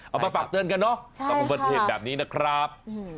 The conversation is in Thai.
เอามาฝากเตือนกันเนอะต้องเปิดเพลงแบบนี้นะครับ